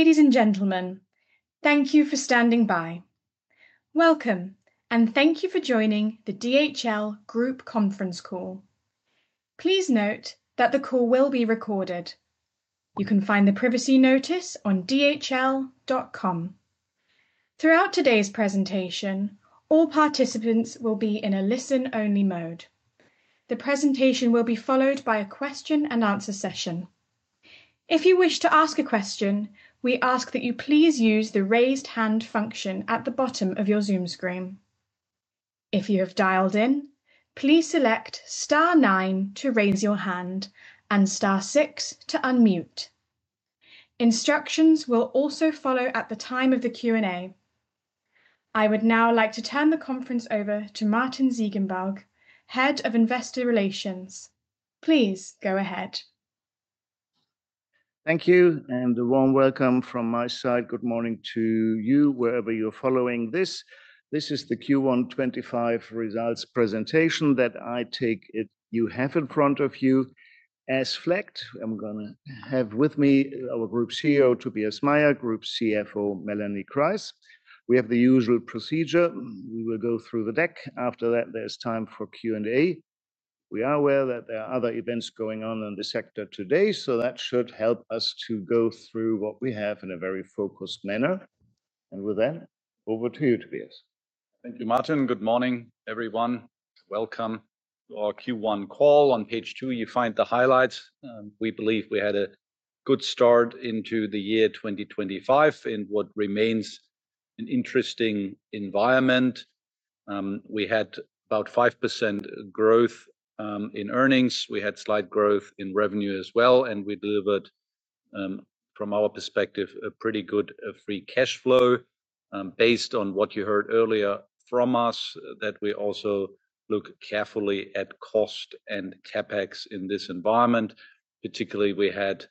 Ladies and gentlemen, thank you for standing by. Welcome, and thank you for joining the DHL Group Conference Call. Please note that the call will be recorded. You can find the privacy notice on dhl.com. Throughout today's presentation, all participants will be in a listen-only mode. The presentation will be followed by a question-and-answer session. If you wish to ask a question, we ask that you please use the raised hand function at the bottom of your Zoom screen. If you have dialed in, please select star nine to raise your hand and star six to unmute. Instructions will also follow at the time of the Q&A. I would now like to turn the conference over to Martin Ziegenbalg, Head of Investor Relations. Please go ahead. Thank you, and a warm welcome from my side. Good morning to you, wherever you're following this. This is the Q1 2025 results presentation that I take it you have in front of you as flagged. I'm going to have with me our Group CEO, Tobias Meyer, Group CFO, Melanie Kreis. We have the usual procedure. We will go through the deck. After that, there's time for Q&A. We are aware that there are other events going on in the sector today, so that should help us to go through what we have in a very focused manner. With that, over to you, Tobias. Thank you, Martin. Good morning, everyone. Welcome to our Q1 call. On page two, you find the highlights. We believe we had a good start into the year 2025 in what remains an interesting environment. We had about 5% growth in earnings. We had slight growth in revenue as well. We delivered, from our perspective, a pretty good free cash flow. Based on what you heard earlier from us, that we also look carefully at cost and CapEx in this environment. Particularly, we had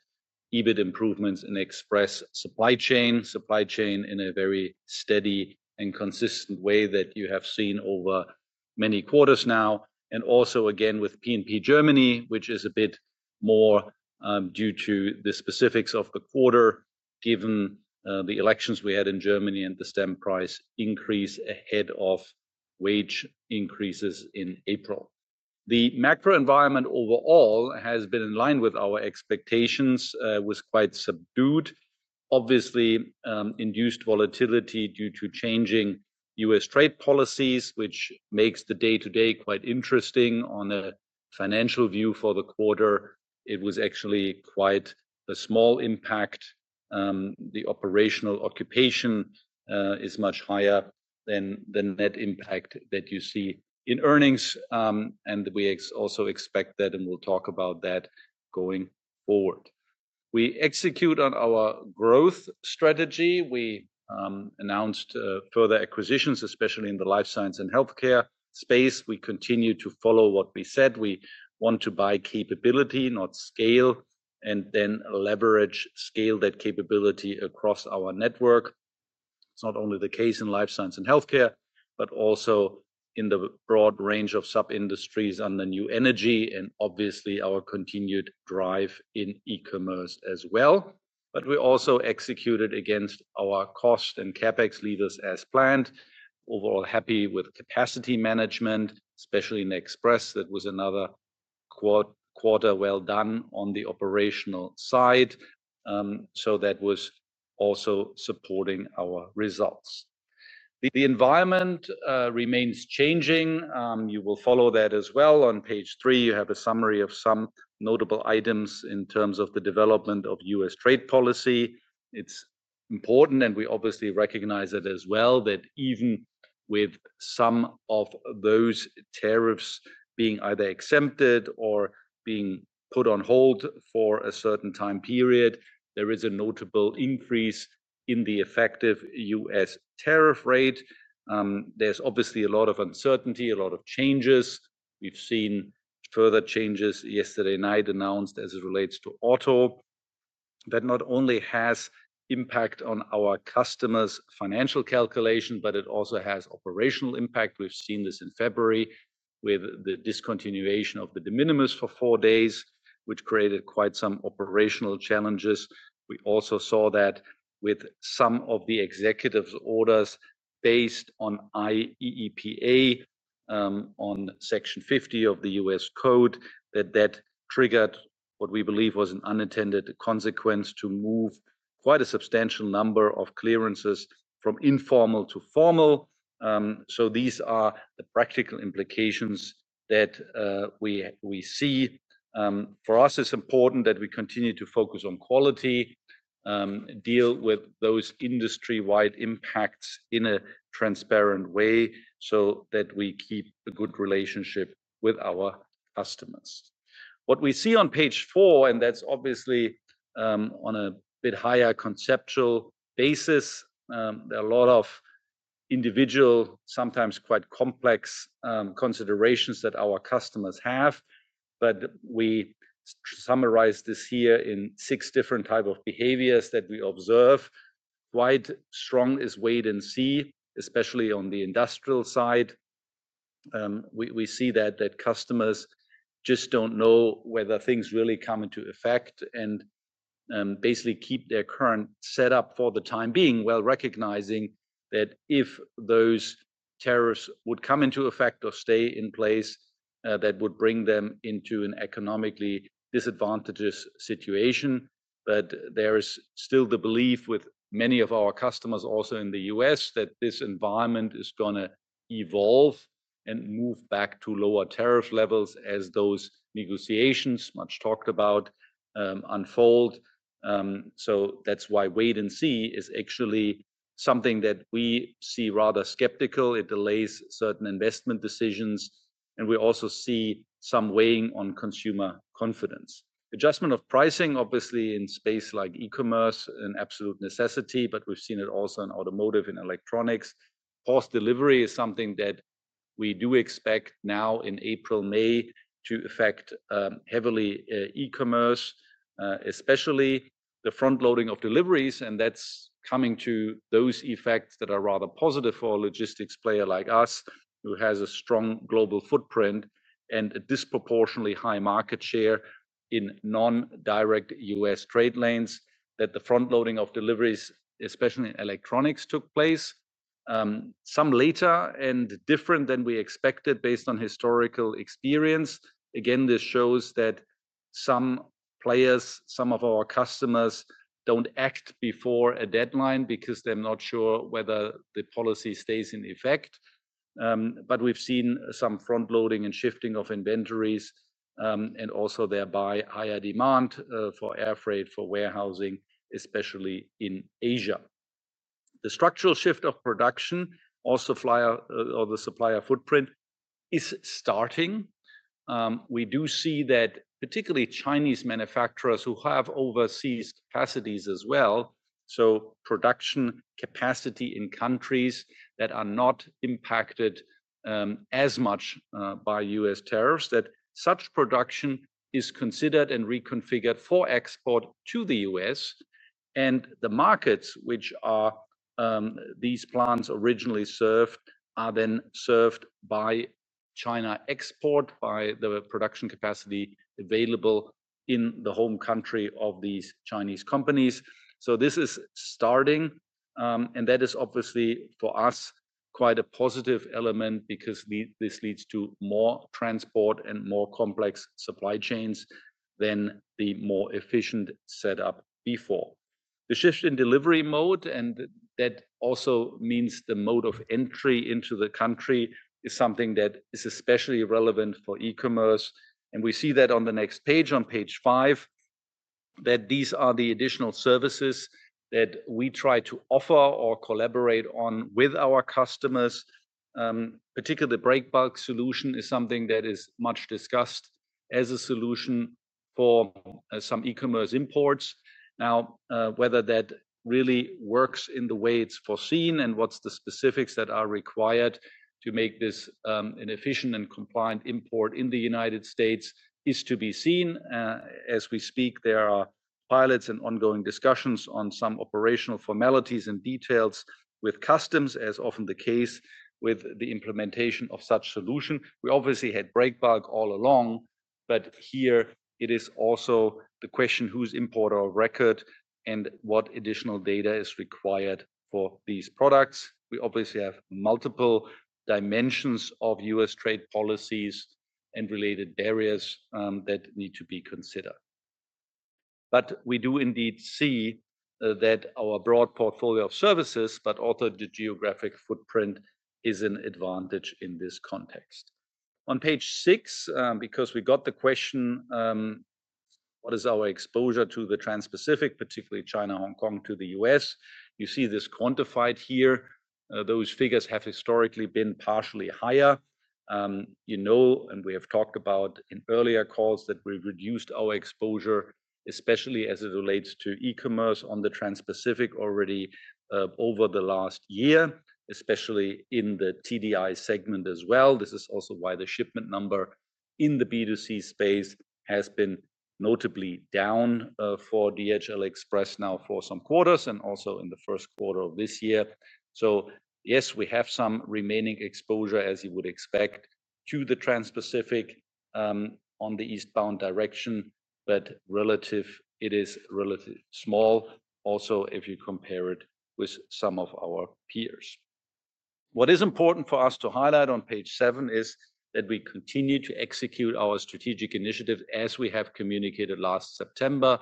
EBIT improvements in Express, Supply Chain, Supply Chain in a very steady and consistent way that you have seen over many quarters now. Also, again, with P&P Germany, which is a bit more due to the specifics of the quarter, given the elections we had in Germany and the stamp price increase ahead of wage increases in April. The macro environment overall has been in line with our expectations, was quite subdued. Obviously, induced volatility due to changing U.S. trade policies, which makes the day-to-day quite interesting on a financial view for the quarter. It was actually quite a small impact. The operational occupation is much higher than the net impact that you see in earnings. We also expect that, and we'll talk about that going forward. We execute on our growth strategy. We announced further acquisitions, especially in the Life Science and Healthcare space. We continue to follow what we said. We want to buy capability, not scale, and then leverage, scale that capability across our network. It's not only the case in Life Science and Healthcare, but also in the broad range of sub-industries under new energy and obviously our continued drive in e-commerce as well. We also executed against our cost and CapEx levers as planned. Overall, happy with capacity management, especially in Express. That was another quarter well done on the operational side. That was also supporting our results. The environment remains changing. You will follow that as well. On page three, you have a summary of some notable items in terms of the development of U.S. Trade Policy. It's important, and we obviously recognize it as well, that even with some of those tariffs being either exempted or being put on hold for a certain time period, there is a notable increase in the effective U.S. tariff rate. There is obviously a lot of uncertainty, a lot of changes. We've seen further changes yesterday night announced as it relates to auto. That not only has impact on our customers' financial calculation, but it also has operational impact. We've seen this in February with the discontinuation of the de minimis for four days, which created quite some operational challenges. We also saw that with some of the executives' orders based on IEEPA, on section 50 of the U.S. code, that that triggered what we believe was an unintended consequence to move quite a substantial number of clearances from informal to formal. These are the practical implications that we see. For us, it's important that we continue to focus on quality, deal with those industry-wide impacts in a transparent way so that we keep a good relationship with our customers. What we see on page four, and that's obviously on a bit higher conceptual basis, there are a lot of individual, sometimes quite complex considerations that our customers have. We summarize this here in six different types of behaviors that we observe. Quite strong is wait and see, especially on the industrial side. We see that customers just do not know whether things really come into effect and basically keep their current setup for the time being, while recognizing that if those tariffs would come into effect or stay in place, that would bring them into an economically disadvantaged situation. There is still the belief with many of our customers also in the U.S. that this environment is going to evolve and move back to lower tariff levels as those negotiations, much talked about, unfold. That is why wait and see is actually something that we see rather skeptical. It delays certain investment decisions. We also see some weighing on consumer confidence. Adjustment of pricing, obviously in space like e-commerce, an absolute necessity, but we have seen it also in automotive and electronics. Post-delivery is something that we do expect now in April, May to affect heavily e-commerce, especially the front-loading of deliveries. That is coming to those effects that are rather positive for a logistics player like us, who has a strong global footprint and a disproportionately high market share in non-direct U.S. trade lanes, that the front-loading of deliveries, especially in electronics, took place some later and different than we expected based on historical experience. Again, this shows that some players, some of our customers do not act before a deadline because they are not sure whether the policy stays in effect. We have seen some front-loading and shifting of inventories and also thereby higher demand for air freight, for warehousing, especially in Asia. The structural shift of production, also supplier footprint, is starting. We do see that particularly Chinese manufacturers who have overseas capacities as well, so production capacity in countries that are not impacted as much by U.S. tariffs, that such production is considered and reconfigured for export to the U.S. The markets which these plants originally served are then served by China export, by the production capacity available in the home country of these Chinese companies. This is starting. That is obviously for us quite a positive element because this leads to more transport and more complex supply chains than the more efficient setup before. The shift in delivery mode, and that also means the mode of entry into the country, is something that is especially relevant for e-commerce. We see that on the next page, on page five, that these are the additional services that we try to offer or collaborate on with our customers. Particularly, the break bulk solution is something that is much discussed as a solution for some e-commerce imports. Now, whether that really works in the way it's foreseen and what's the specifics that are required to make this an efficient and compliant import in the United States is to be seen. As we speak, there are pilots and ongoing discussions on some operational formalities and details with customs, as is often the case with the implementation of such solution. We obviously had break bulk all along, but here it is also the question, who's importer of record and what additional data is required for these products. We obviously have multiple dimensions of U.S. trade policies and related barriers that need to be considered. We do indeed see that our broad portfolio of services, but also the geographic footprint, is an advantage in this context. On page six, because we got the question, what is our exposure to the Trans-Pacific, particularly China, Hong Kong to the U.S.? You see this quantified here. Those figures have historically been partially higher. You know, and we have talked about in earlier calls that we've reduced our exposure, especially as it relates to e-commerce on the Trans-Pacific already over the last year, especially in the TDI segment as well. This is also why the shipment number in the B2C space has been notably down for DHL Express now for some quarters and also in the Q1 of this year. Yes, we have some remaining exposure, as you would expect, to the Trans-Pacific on the eastbound direction, but relative it is relatively small also if you compare it with some of our peers. What is important for us to highlight on page seven is that we continue to execute our strategic initiatives as we have communicated last September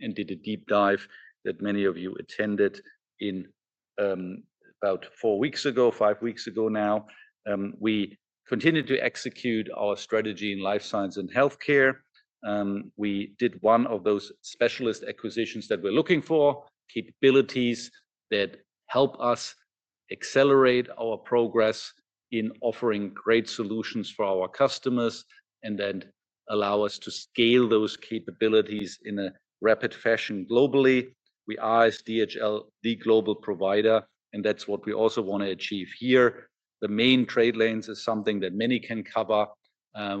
and did a deep dive that many of you attended about four weeks ago, five weeks ago now. We continue to execute our strategy in life science and healthcare. We did one of those specialist acquisitions that we're looking for, capabilities that help us accelerate our progress in offering great solutions for our customers and then allow us to scale those capabilities in a rapid fashion globally. We are as DHL the global provider, and that's what we also want to achieve here. The main trade lanes is something that many can cover.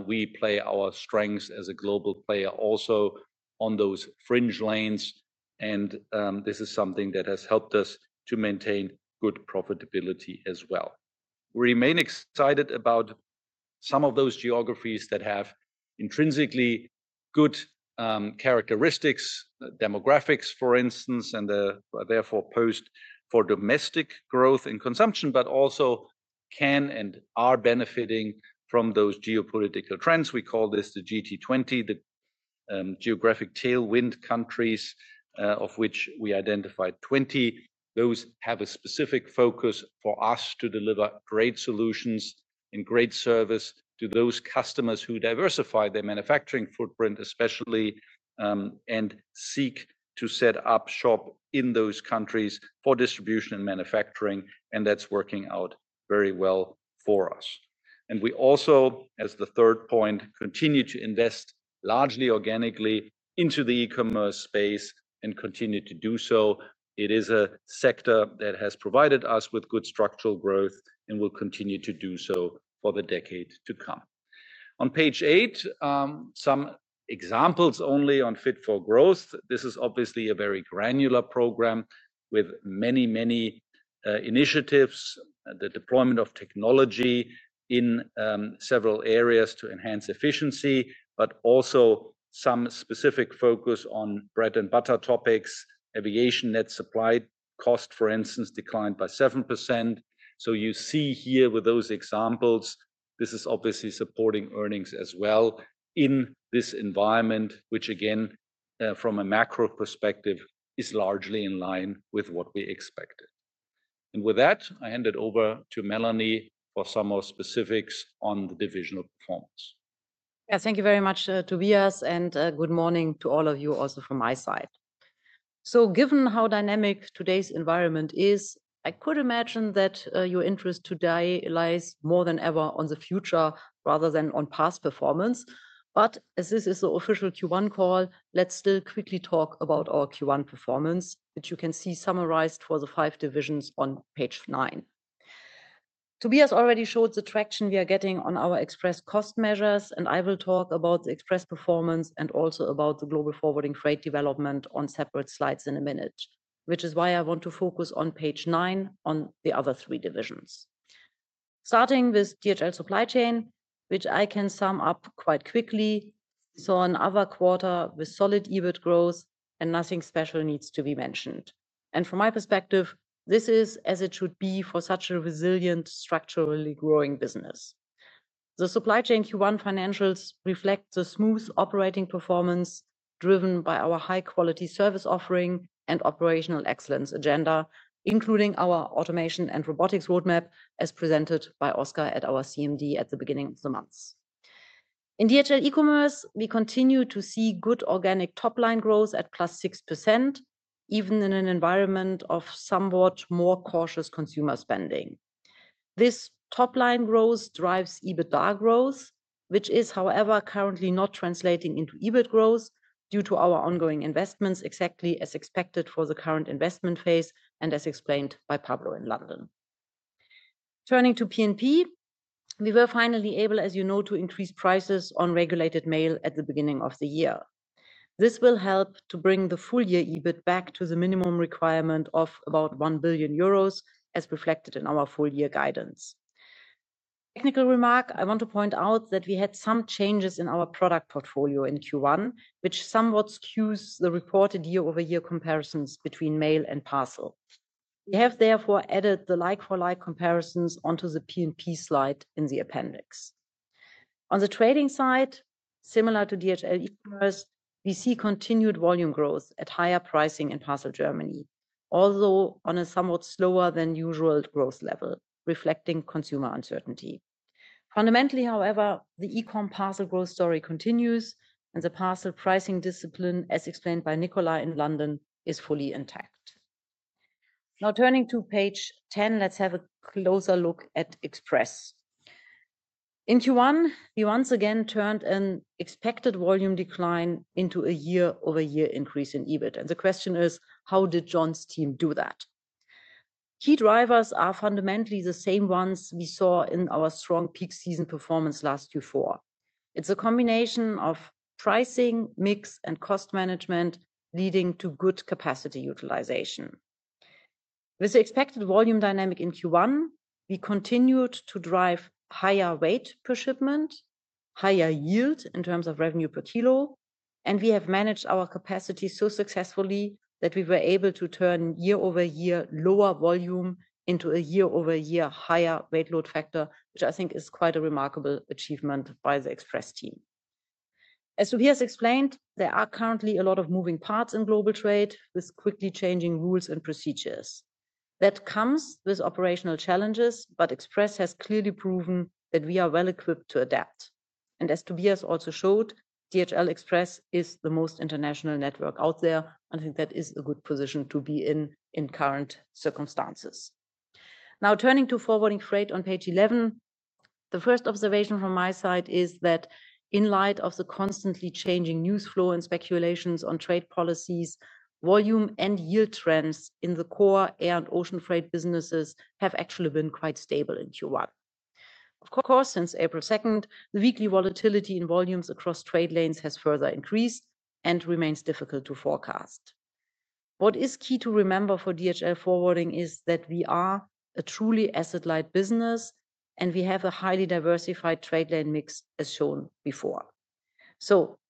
We play our strengths as a global player also on those fringe lanes. This is something that has helped us to maintain good profitability as well. We remain excited about some of those geographies that have intrinsically good characteristics, demographics, for instance, and therefore post for domestic growth and consumption, but also can and are benefiting from those geopolitical trends. We call this the GT20, the geographic tailwind countries of which we identified 20. Those have a specific focus for us to deliver great solutions and great service to those customers who diversify their manufacturing footprint, especially, and seek to set up shop in those countries for distribution and manufacturing. That is working out very well for us. We also, as the third point, continue to invest largely organically into the e-commerce space and continue to do so. It is a sector that has provided us with good structural growth and will continue to do so for the decade to come. On page eight, some examples only on Fit for Growth. This is obviously a very granular program with many, many initiatives, the deployment of technology in several areas to enhance efficiency, but also some specific focus on bread and butter topics. Aviation net supply cost, for instance, declined by 7%. You see here with those examples, this is obviously supporting earnings as well in this environment, which again, from a macro perspective, is largely in line with what we expected. With that, I hand it over to Melanie for some more specifics on the divisional performance. Yeah, thank you very much, Tobias, and good morning to all of you also from my side. Given how dynamic today's environment is, I could imagine that your interest today lies more than ever on the future rather than on past performance. As this is the official Q1 call, let's still quickly talk about our Q1 performance, which you can see summarized for the five divisions on page nine. Tobias already showed the traction we are getting on our Express cost measures, and I will talk about the Express performance and also about the global Forwarding Freight development on separate slides in a minute, which is why I want to focus on page nine on the other three divisions. Starting with DHL Supply Chain, which I can sum up quite quickly. Another quarter with solid EBIT growth and nothing special needs to be mentioned. From my perspective, this is as it should be for such a resilient, structurally growing business. The Supply Chain Q1 financials reflect the smooth operating performance driven by our high-quality service offering and operational excellence agenda, including our automation and robotics roadmap as presented by Oscar at our CMD at the beginning of the month. In DHL eCommerce, we continue to see good organic top-line growth at plus 6%, even in an environment of somewhat more cautious consumer spending. This top-line growth drives EBITDA growth, which is, however, currently not translating into EBIT growth due to our ongoing investments, exactly as expected for the current investment phase and as explained by Pablo in London. Turning to P&P, we were finally able, as you know, to increase prices on regulated mail at the beginning of the year. This will help to bring the full year EBIT back to the minimum requirement of about 1 billion euros, as reflected in our full year guidance. Technical remark, I want to point out that we had some changes in our product portfolio in Q1, which somewhat skews the reported year-over-year comparisons between mail and parcel. We have therefore added the like-for-like comparisons onto the P&P slide in the appendix. On the trading side, similar to DHL eCommerce, we see continued volume growth at higher pricing in parcel Germany, although on a somewhat slower than usual growth level, reflecting consumer uncertainty. Fundamentally, however, the e-com parcel growth story continues and the parcel pricing discipline, as explained by Nikola in London, is fully intact. Now turning to page 10, let's have a closer look at Express. In Q1, we once again turned an expected volume decline into a year-over-year increase in EBIT. The question is, how did John's team do that? Key drivers are fundamentally the same ones we saw in our strong peak season performance last Q4. It is a combination of pricing, mix, and cost management leading to good capacity utilization. With the expected volume dynamic in Q1, we continued to drive higher weight per shipment, higher yield in terms of revenue per kilo, and we have managed our capacity so successfully that we were able to turn year-over-year lower volume into a year-over-year higher weight load factor, which I think is quite a remarkable achievement by the Express team. As Tobias explained, there are currently a lot of moving parts in global trade with quickly changing rules and procedures. That comes with operational challenges, but Express has clearly proven that we are well equipped to adapt. As Tobias also showed, DHL Express is the most international network out there. I think that is a good position to be in in current circumstances. Now turning to forwarding freight on page 11, the first observation from my side is that in light of the constantly changing news flow and speculations on trade policies, volume and yield trends in the core air and ocean freight businesses have actually been quite stable in Q1. Of course, since April 2, the weekly volatility in volumes across trade lanes has further increased and remains difficult to forecast. What is key to remember for DHL Forwarding is that we are a truly asset-light business and we have a highly diversified trade lane mix as shown before.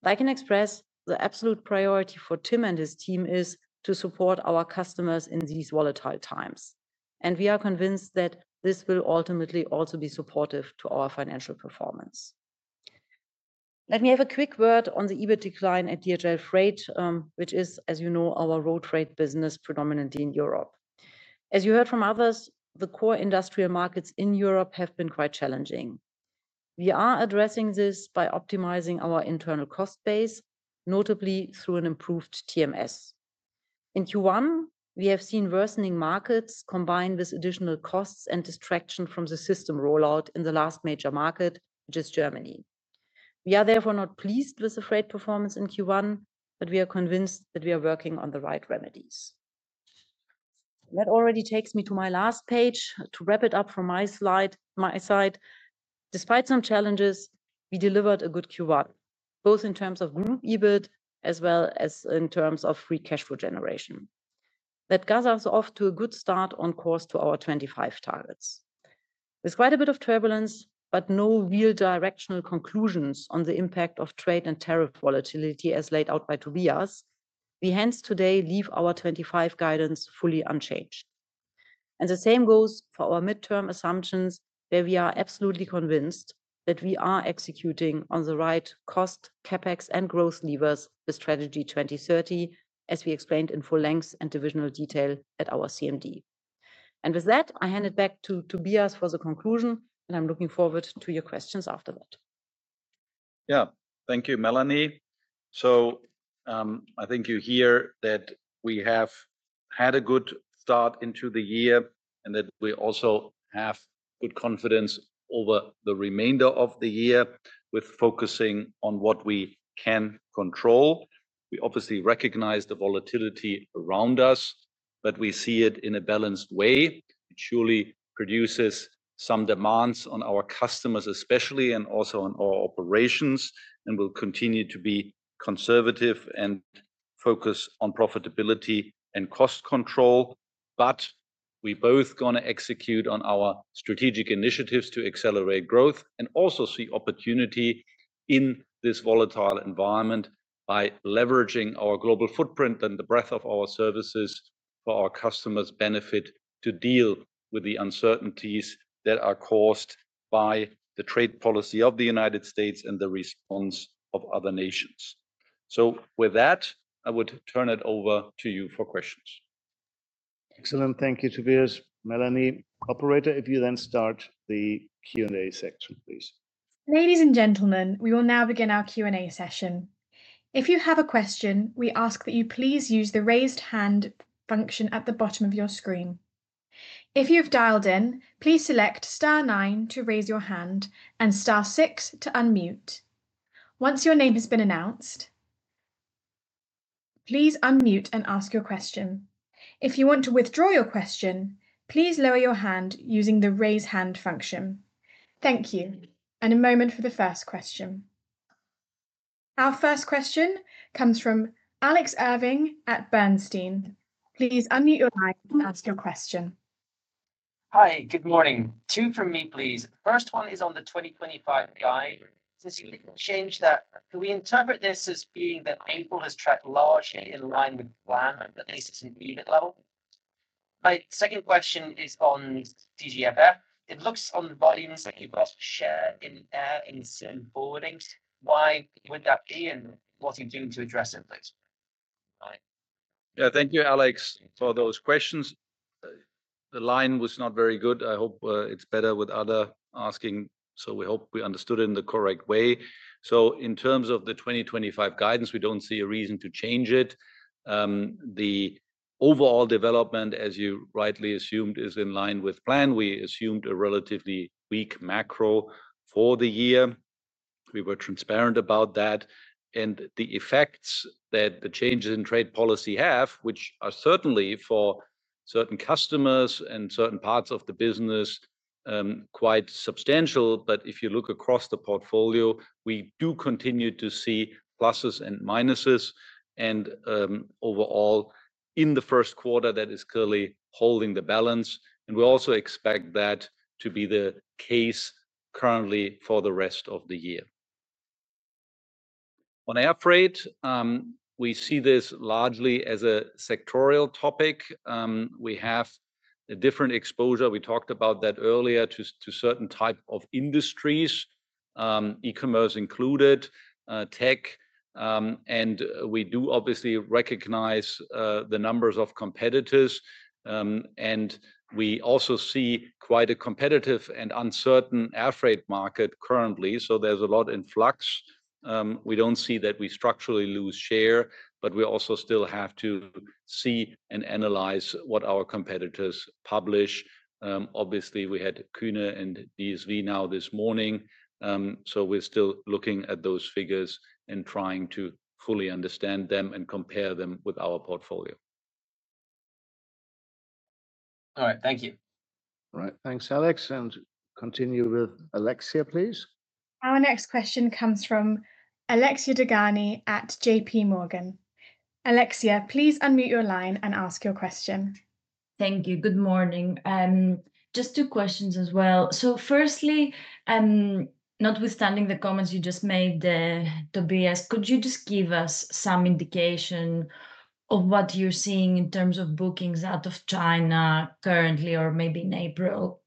Like in Express, the absolute priority for Tim and his team is to support our customers in these volatile times. We are convinced that this will ultimately also be supportive to our financial performance. Let me have a quick word on the EBIT decline at DHL Freight, which is, as you know, our road freight business predominantly in Europe. As you heard from others, the core industrial markets in Europe have been quite challenging. We are addressing this by optimizing our internal cost base, notably through an improved TMS. In Q1, we have seen worsening markets combined with additional costs and distraction from the system rollout in the last major market, which is Germany. We are therefore not pleased with the freight performance in Q1, but we are convinced that we are working on the right remedies. That already takes me to my last page to wrap it up from my side. Despite some challenges, we delivered a good Q1, both in terms of group EBIT as well as in terms of free cash flow generation. That gathers off to a good start on course to our 2025 targets. There's quite a bit of turbulence, but no real directional conclusions on the impact of trade and tariff volatility as laid out by Tobias. We hence today leave our 2025 guidance fully unchanged. The same goes for our midterm assumptions, where we are absolutely convinced that we are executing on the right cost, CapEx, and growth levers with Strategy 2030, as we explained in full length and divisional detail at our CMD. With that, I hand it back to Tobias for the conclusion, and I'm looking forward to your questions after that. Yeah, thank you, Melanie. I think you hear that we have had a good start into the year and that we also have good confidence over the remainder of the year with focusing on what we can control. We obviously recognize the volatility around us, but we see it in a balanced way. It surely produces some demands on our customers especially and also on our operations and will continue to be conservative and focus on profitability and cost control. We are both going to execute on our strategic initiatives to accelerate growth and also see opportunity in this volatile environment by leveraging our global footprint and the breadth of our services for our customers' benefit to deal with the uncertainties that are caused by the trade policy of the United States and the response of other nations. With that, I would turn it over to you for questions. Excellent. Thank you, Tobias. Melanie, operator, if you then start the Q&A section, please. Ladies and gentlemen, we will now begin our Q&A session. If you have a question, we ask that you please use the raised hand function at the bottom of your screen. If you've dialed in, please select star nine to raise your hand and star six to unmute. Once your name has been announced, please unmute and ask your question. If you want to withdraw your question, please lower your hand using the raise hand function. Thank you. A moment for the first question. Our first question comes from Alex Irving at Bernstein. Please unmute your line and ask your question. Hi, good morning. Two from me, please. First one is on the 2025 guide. Does it change that? Do we interpret this as being that April has tracked largely in line with the plan, at least at an EBIT level? My second question is on DGFF. It looks on the volumes that you've also shared in air and boarding. Why would that be and what are you doing to address it? Yeah, thank you, Alex, for those questions. The line was not very good. I hope it's better with other asking, so we hope we understood it in the correct way. In terms of the 2025 guidance, we don't see a reason to change it. The overall development, as you rightly assumed, is in line with plan. We assumed a relatively weak macro for the year. We were transparent about that. The effects that the changes in trade policy have, which are certainly for certain customers and certain parts of the business, quite substantial. If you look across the portfolio, we do continue to see pluses and minuses. Overall, in the Q1, that is clearly holding the balance. We also expect that to be the case currently for the rest of the year. On air freight, we see this largely as a sectorial topic. We have a different exposure. We talked about that earlier to certain types of industries, e-commerce included, tech. We do obviously recognize the numbers of competitors. We also see quite a competitive and uncertain air freight market currently. There is a lot in flux. We do not see that we structurally lose share, but we also still have to see and analyze what our competitors publish. Obviously, we had Kuehne+Nagel and DSV now this morning. We are still looking at those figures and trying to fully understand them and compare them with our portfolio. All right, thank you. All right, thanks, Alex. Continue with Alexia, please. Our next question comes from Alexia Dogani at JPMorgan Chase & Co. Alexia, please unmute your line and ask your question. Thank you. Good morning. Just two questions as well. Firstly, notwithstanding the comments you just made, Tobias, could you just give us some indication of what you're seeing in terms of bookings out of China currently or maybe in April?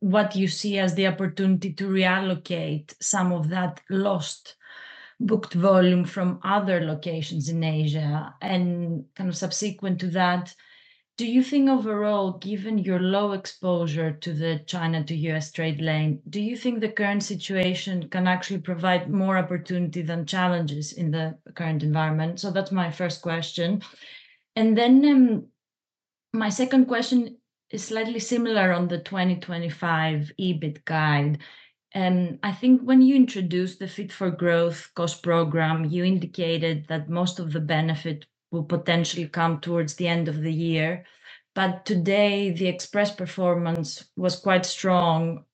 What do you see as the opportunity to reallocate some of that lost booked volume from other locations in Asia and, kind of subsequent to that, do you think overall, given your low exposure to the China to U.S. trade lane, the current situation can actually provide more opportunity than challenges in the current environment? That is my first question. My second question is slightly similar on the 2025 EBIT Guide. I think when you introduced the Fit for Growth cost program, you indicated that most of the benefit will potentially come towards the end of the year. But today, the Express performance was quite strong,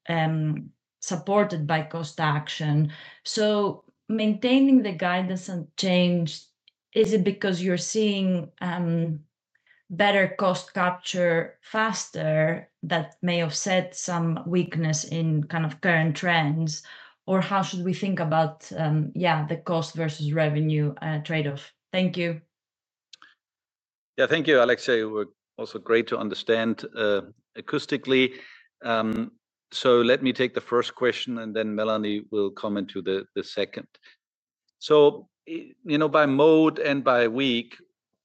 supported by cost action. So maintaining the guidance and change, is it because you're seeing better cost capture faster that may have set some weakness in kind of current trends? Or how should we think about, yeah, the cost versus revenue trade-off? Thank you. Yeah, thank you, Alexia. It was also great to understand acoustically. Let me take the first question and then Melanie will comment to the second. By mode and by week,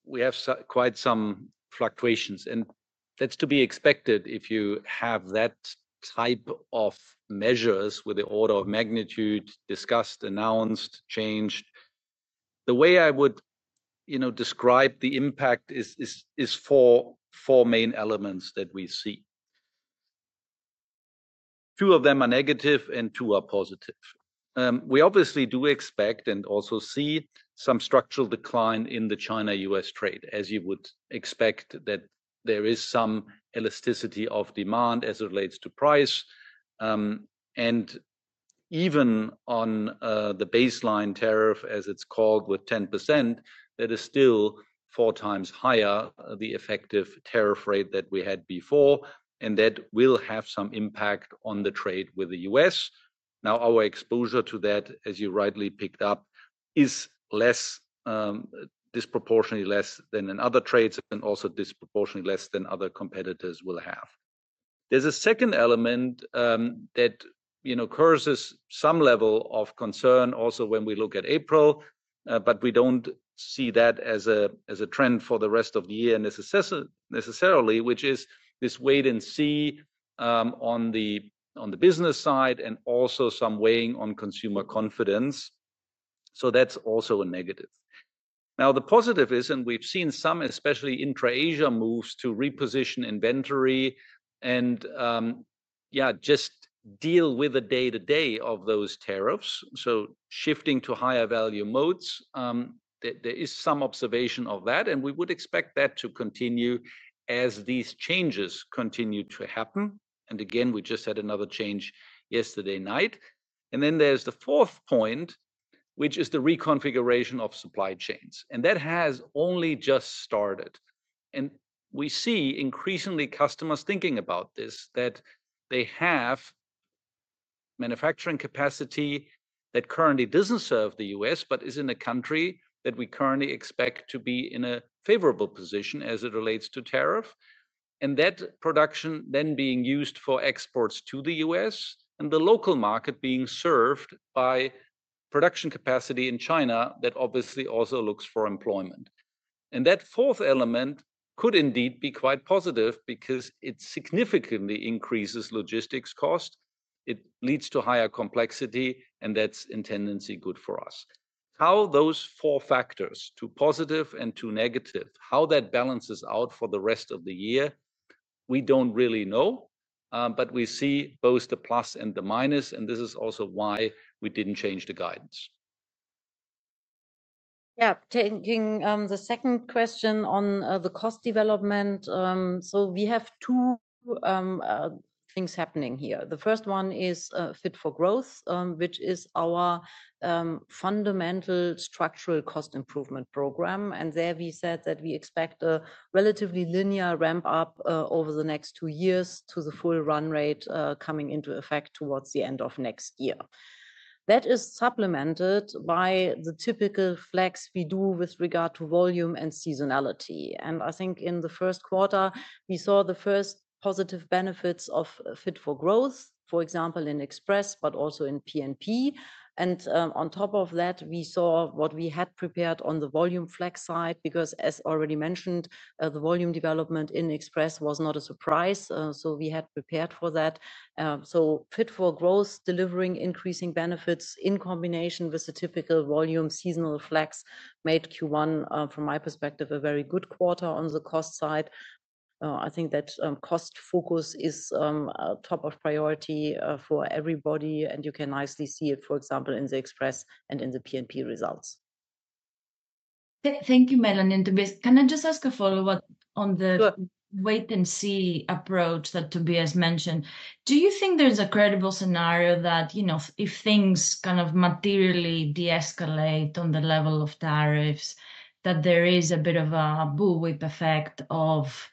we have quite some fluctuations. That is to be expected if you have that type of measures with the order of magnitude discussed, announced, changed. The way I would describe the impact is for four main elements that we see. Two of them are negative and two are positive. We obviously do expect and also see some structural decline in the China-U.S. trade, as you would expect that there is some elasticity of demand as it relates to price. Even on the baseline tariff, as it is called, with 10%, that is still four times higher, the effective tariff rate that we had before. That will have some impact on the trade with the U.S. Now, our exposure to that, as you rightly picked up, is less, disproportionately less than in other trades and also disproportionately less than other competitors will have. There's a second element that occurs as some level of concern also when we look at April, but we do not see that as a trend for the rest of the year necessarily, which is this wait and see on the business side and also some weighing on consumer confidence. That is also a negative. The positive is, and we've seen some, especially intra-Asia moves to reposition inventory and, yeah, just deal with the day-to-day of those tariffs. Shifting to higher value modes, there is some observation of that. We would expect that to continue as these changes continue to happen. We just had another change yesterday night. There is the fourth point, which is the reconfiguration of supply chains. That has only just started. We see increasingly customers thinking about this, that they have manufacturing capacity that currently does not serve the U.S., but is in a country that we currently expect to be in a favorable position as it relates to tariff. That production then being used for exports to the U.S. and the local market being served by production capacity in China that obviously also looks for employment. That fourth element could indeed be quite positive because it significantly increases logistics cost. It leads to higher complexity, and that is in tendency good for us. How those four factors, two positive and two negative, how that balances out for the rest of the year, we do not really know, but we see both the plus and the minus. This is also why we did not change the guidance. Yeah, taking the second question on the cost development. We have two things happening here. The first one is Fit for Growth, which is our fundamental structural cost improvement program. There we said that we expect a relatively linear ramp-up over the next two years to the full run rate coming into effect towards the end of next year. That is supplemented by the typical flex we do with regard to volume and seasonality. I think in the Q1, we saw the first positive benefits of Fit for Growth, for example, in Express, but also in P&P. On top of that, we saw what we had prepared on the volume flex side because, as already mentioned, the volume development in Express was not a surprise. We had prepared for that. Fit for Growth delivering increasing benefits in combination with the typical volume seasonal flex made Q1, from my perspective, a very good quarter on the cost side. I think that cost focus is top of priority for everybody. You can nicely see it, for example, in the Express and in the P&P results. Thank you, Melanie and Tobias. Can I just ask a follow-up on the wait and see approach that Tobias mentioned? Do you think there's a credible scenario that if things kind of materially de-escalate on the level of tariffs, that there is a bit of a bullwhip effect of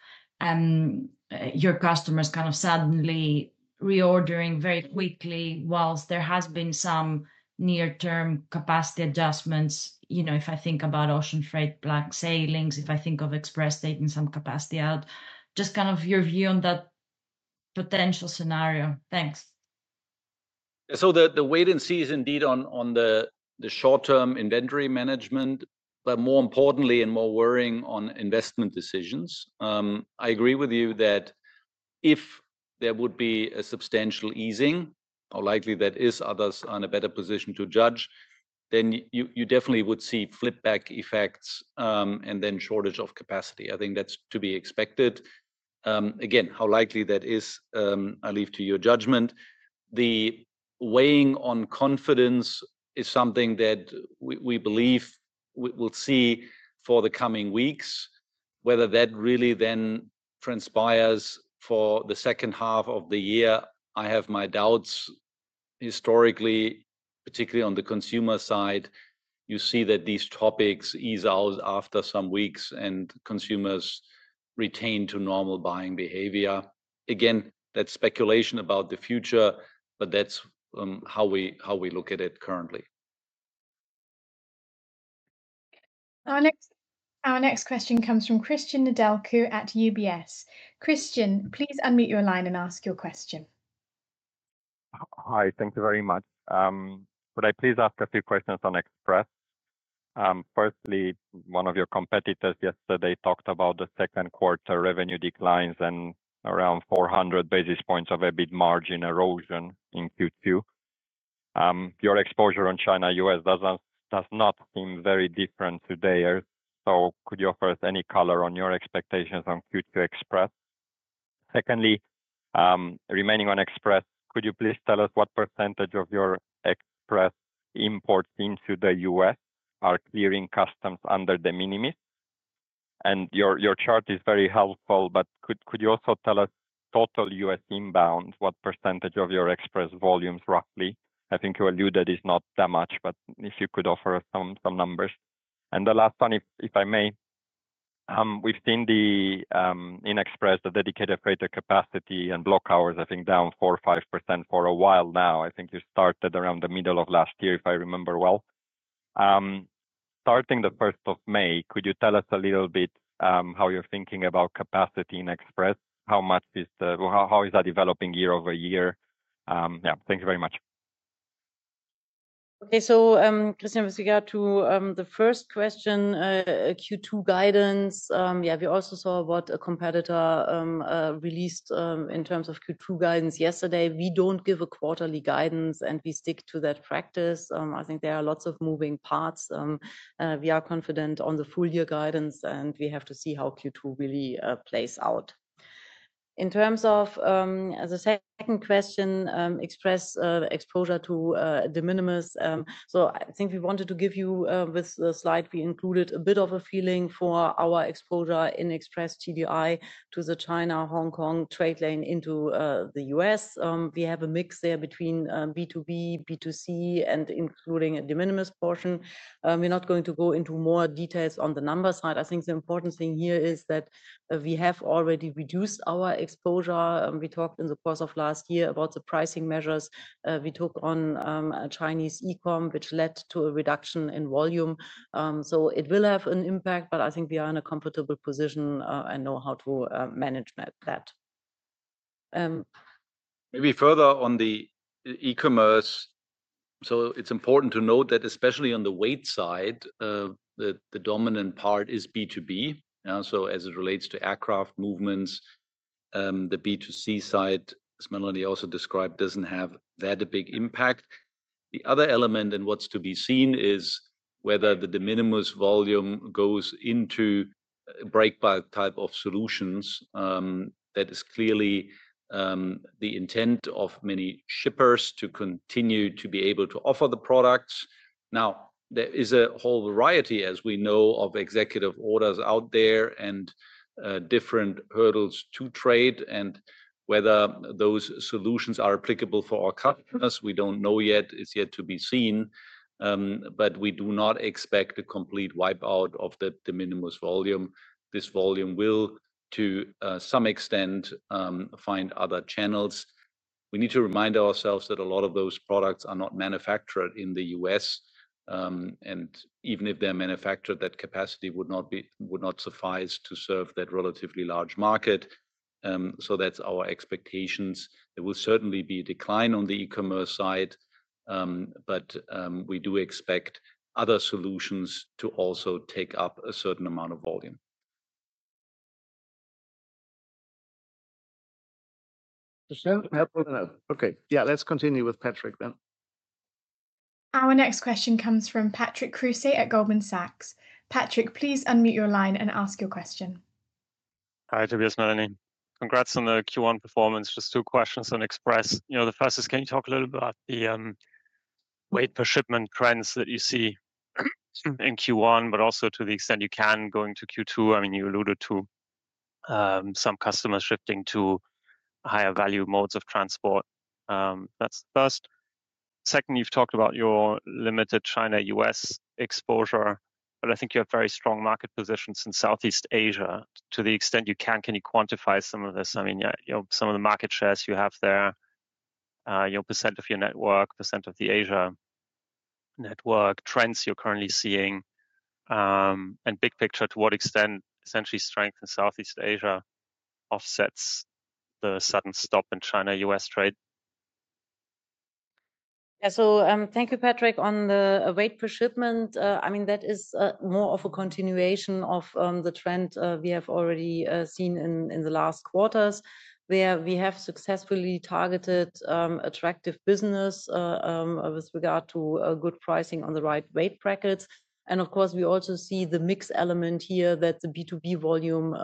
your customers kind of suddenly reordering very quickly whilst there has been some near-term capacity adjustments? If I think about ocean freight, blank sailings, if I think of Express taking some capacity out, just kind of your view on that potential scenario. Thanks. The wait and see is indeed on the short-term inventory management, but more importantly, and more worrying on investment decisions. I agree with you that if there would be a substantial easing, how likely that is, others are in a better position to judge, then you definitely would see flipback effects and then shortage of capacity. I think that's to be expected. Again, how likely that is, I leave to your judgment. The weighing on confidence is something that we believe we will see for the coming weeks. Whether that really then transpires for the second half of the year, I have my doubts. Historically, particularly on the consumer side, you see that these topics ease out after some weeks and consumers retain normal buying behavior. Again, that's speculation about the future, but that's how we look at it currently. Our next question comes from Cristian Nedelcu at UBS. Christian, please unmute your line and ask your question. Hi, thank you very much. Could I please ask a few questions on Express? Firstly, one of your competitors yesterday talked about the Q2 revenue declines and around 400 basis points of EBIT margin erosion in Q2. Your exposure on China-U.S. does not seem very different today. Could you offer us any color on your expectations on Q2 Express? Secondly, remaining on Express, could you please tell us what percentage of your Express imports into the U.S. are clearing customs under the de minimis? Your chart is very helpful, but could you also tell us total U.S. inbound, what percentage of your Express volumes roughly? I think you alluded is not that much, but if you could offer us some numbers. The last one, if I may, we've seen in Express the dedicated freighter capacity and block hours, I think, down 4% or 5% for a while now. I think you started around the middle of last year, if I remember well. Starting the 1st of May, could you tell us a little bit how you're thinking about capacity in Express? How much is that developing year over year? Yeah, thank you very much. Okay, so Cristian, with regard to the first question, Q2 guidance, yeah, we also saw what a competitor released in terms of Q2 guidance yesterday. We do not give a quarterly guidance, and we stick to that practice. I think there are lots of moving parts. We are confident on the full year guidance, and we have to see how Q2 really plays out. In terms of the second question, Express exposure to de minimis. I think we wanted to give you with the slide we included a bit of a feeling for our exposure in Express TDI to the China-Hong Kong trade lane into the U.S. We have a mix there between B2B, B2C, and including a de minimis portion. We're not going to go into more details on the number side. I think the important thing here is that we have already reduced our exposure. We talked in the course of last year about the pricing measures. We took on Chinese e-comm, which led to a reduction in volume. It will have an impact, but I think we are in a comfortable position and know how to manage that. Maybe further on the e-commerce, it's important to note that especially on the weight side, the dominant part is B2B. As it relates to aircraft movements, the B2C side, as Melanie also described, does not have that a big impact. The other element and what is to be seen is whether the de minimis volume goes into break bulk type of solutions. That is clearly the intent of many shippers to continue to be able to offer the products. There is a whole variety, as we know, of executive orders out there and different hurdles to trade. Whether those solutions are applicable for our customers, we do not know yet. It is yet to be seen. We do not expect a complete wipeout of the de minimis volume. This volume will, to some extent, find other channels. We need to remind ourselves that a lot of those products are not manufactured in the U.S. Even if they are manufactured, that capacity would not suffice to serve that relatively large market. That's our expectations. There will certainly be a decline on the e-commerce side, but we do expect other solutions to also take up a certain amount of volume. Okay, yeah, let's continue with Patrick then. Our next question comes from Patrick Creuset at Goldman Sachs. Patrick, please unmute your line and ask your question. Hi, Tobias, Melanie. Congrats on the Q1 performance. Just two questions on Express. The first is, can you talk a little bit about the weight per shipment trends that you see in Q1, but also to the extent you can go into Q2? I mean, you alluded to some customers shifting to higher value modes of transport. That's the first. Second, you've talked about your limited China-U.S. exposure, but I think you have very strong market positions in Southeast Asia. To the extent you can, can you quantify some of this? I mean, some of the market shares you have there, your % of your network, % of the Asia network, trends you're currently seeing, and big picture, to what extent essentially strength in Southeast Asia offsets the sudden stop in China-U.S. trade? Yeah, thank you, Patrick, on the weight per shipment. I mean, that is more of a continuation of the trend we have already seen in the last quarters where we have successfully targeted attractive business with regard to good pricing on the right weight brackets. Of course, we also see the mix element here that the B2B volume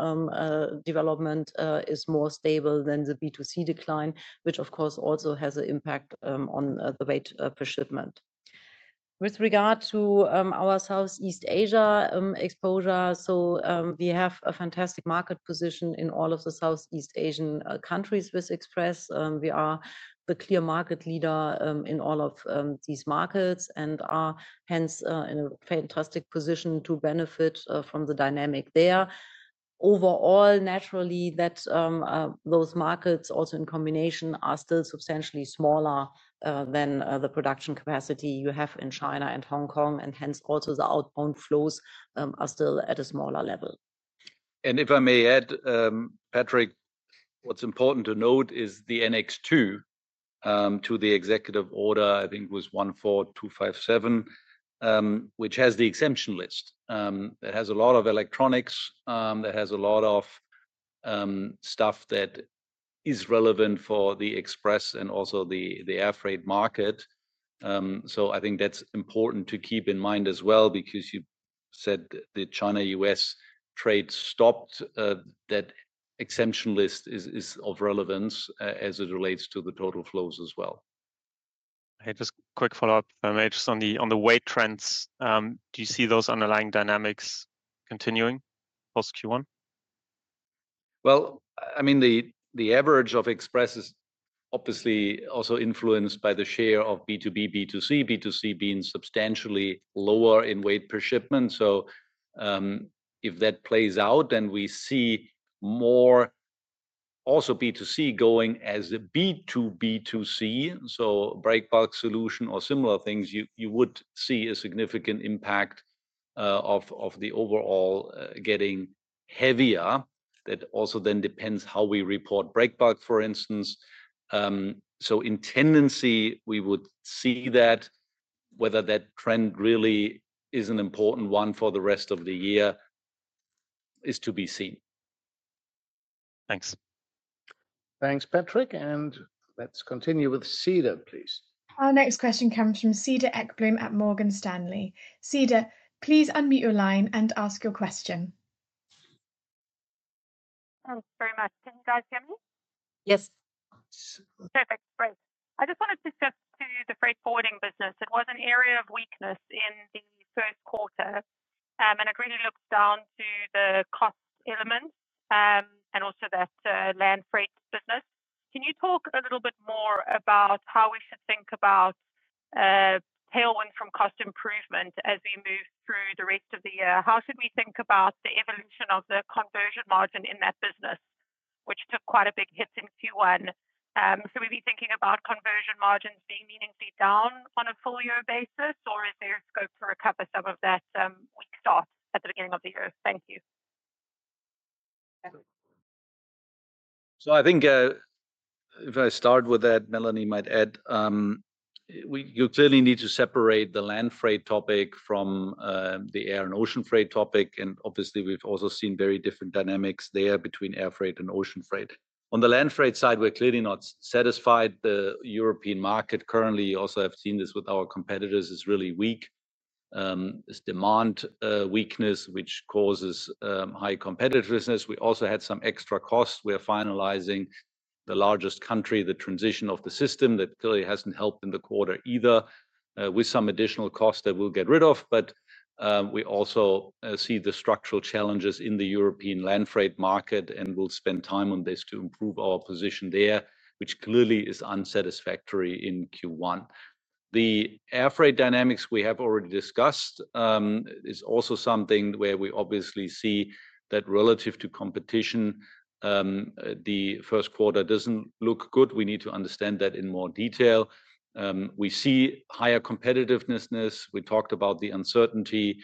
development is more stable than the B2C decline, which of course also has an impact on the weight per shipment. With regard to our Southeast Asia exposure, we have a fantastic market position in all of the Southeast Asian countries with Express. We are the clear market leader in all of these markets and are hence in a fantastic position to benefit from the dynamic there. Overall, naturally, those markets also in combination are still substantially smaller than the production capacity you have in China and Hong Kong, and hence also the outbound flows are still at a smaller level. If I may add, Patrick, what's important to note is the annex to the executive order, I think it was 14257, which has the exemption list. It has a lot of electronics. It has a lot of stuff that is relevant for the Express and also the air freight market. I think that's important to keep in mind as well because you said the China-U.S. trade stopped. That exemption list is of relevance as it relates to the total flows as well. Okay, just quick follow-up, Major, on the weight trends. Do you see those underlying dynamics continuing post Q1? I mean, the average of Express is obviously also influenced by the share of B2B, B2C, B2C being substantially lower in weight per shipment. If that plays out, then we see more also B2C going as a B2B2C. Break bulk solution or similar things, you would see a significant impact of the overall getting heavier. That also then depends how we report break bulk, for instance. In tendency, we would see that whether that trend really is an important one for the rest of the year is to be seen. Thanks. Thanks, Patrick. Let's continue with Cedar, please. Our next question comes from Cedar Ekblom at Morgan Stanley. Cedar, please unmute your line and ask your question. Thanks very much. Can you guys hear me? Yes. Perfect. Great. I just wanted to shift to the freight forwarding business. It was an area of weakness in the Q1. It really looks down to the cost element and also that land freight business. Can you talk a little bit more about how we should think about tailwind from cost improvement as we move through the rest of the year? How should we think about the evolution of the conversion margin in that business, which took quite a big hit in Q1? We've been thinking about conversion margins being meaningfully down on a full year basis, or is there scope to recover some of that weak start at the beginning of the year? Thank you. I think if I start with that, Melanie might add, you clearly need to separate the land freight topic from the air and ocean freight topic. Obviously, we've also seen very different dynamics there between air freight and ocean freight. On the land freight side, we're clearly not satisfied. The European market currently, you also have seen this with our competitors, is really weak. It's demand weakness, which causes high competitiveness. We also had some extra costs. We're finalizing the largest country, the transition of the system that clearly hasn't helped in the quarter either, with some additional costs that we'll get rid of. We also see the structural challenges in the European land freight market, and we'll spend time on this to improve our position there, which clearly is unsatisfactory in Q1. The air freight dynamics we have already discussed is also something where we obviously see that relative to competition, the Q1 doesn't look good. We need to understand that in more detail. We see higher competitiveness. We talked about the uncertainty,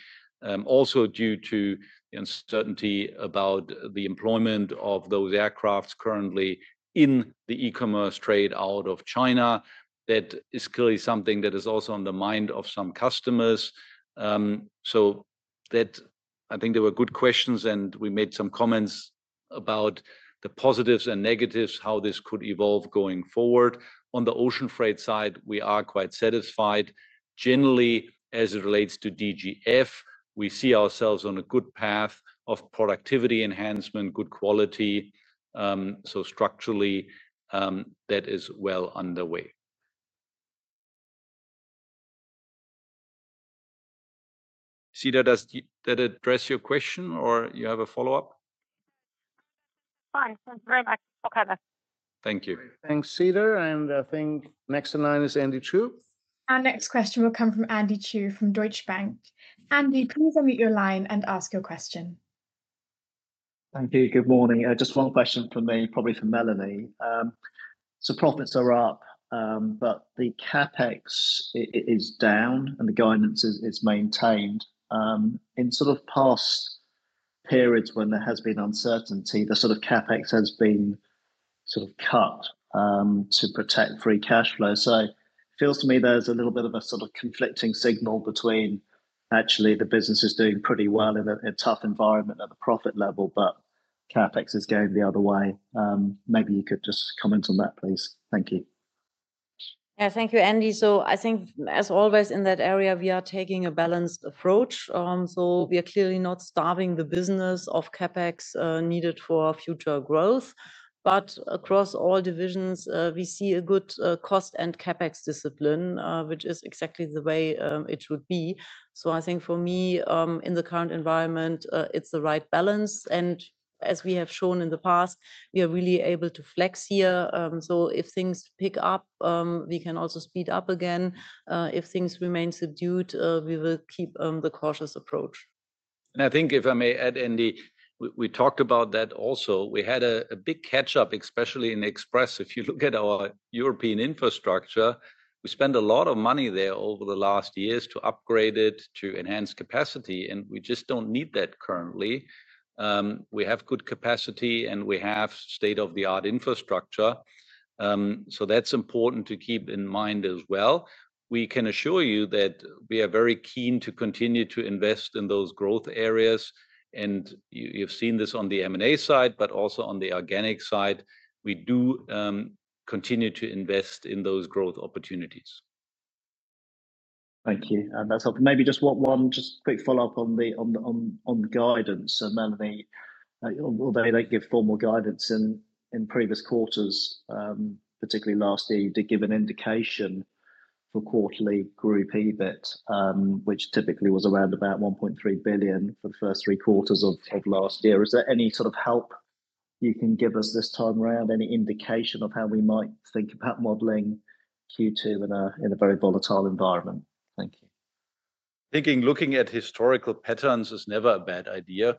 also due to the uncertainty about the employment of those aircraft currently in the e-commerce trade out of China. That is clearly something that is also on the mind of some customers. I think there were good questions, and we made some comments about the positives and negatives, how this could evolve going forward. On the ocean freight side, we are quite satisfied. Generally, as it relates to DGF, we see ourselves on a good path of productivity enhancement, good quality. Structurally, that is well underway. Cedar, does that address your question, or do you have a follow-up? Fine. Thank you very much. Thank you. Thanks, Cedar. I think next in line is Andy Chu. Our next question will come from Andy Chu from Deutsche Bank. Andy, please unmute your line and ask your question. Thank you. Good morning. Just one question for me, probably for Melanie. Profits are up, but the CapEx is down, and the guidance is maintained. In sort of past periods when there has been uncertainty, the sort of CapEx has been sort of cut to protect free cash flow. It feels to me there's a little bit of a sort of conflicting signal between actually the business is doing pretty well in a tough environment at the profit level, but CapEx is going the other way. Maybe you could just comment on that, please. Thank you. Yeah, thank you, Andy. I think, as always, in that area, we are taking a balanced approach. We are clearly not starving the business of CapEx needed for future growth. Across all divisions, we see a good cost and CapEx discipline, which is exactly the way it should be. I think for me, in the current environment, it's the right balance. As we have shown in the past, we are really able to flex here. If things pick up, we can also speed up again. If things remain subdued, we will keep the cautious approach. I think if I may add, Andy, we talked about that also. We had a big catch-up, especially in Express. If you look at our European infrastructure, we spend a lot of money there over the last years to upgrade it, to enhance capacity, and we just don't need that currently. We have good capacity, and we have state-of-the-art infrastructure. That's important to keep in mind as well. We can assure you that we are very keen to continue to invest in those growth areas. You've seen this on the M&A side, but also on the organic side. We do continue to invest in those growth opportunities. Thank you. That is maybe just one quick follow-up on the guidance. Melanie, although they gave formal guidance in previous quarters, particularly last year, you did give an indication for quarterly group EBIT, which typically was around about 1.3 billion for the first three quarters of last year. Is there any sort of help you can give us this time around? Any indication of how we might think about modeling Q2 in a very volatile environment? Thank you. I think looking at historical patterns is never a bad idea.